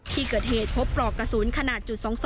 ที่เกิดเหตุพบปลอกกระสุนขนาดจุด๒๒